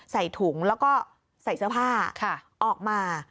ใส่ถุงแล้วก็ใส่เสื้อผ้าออกมา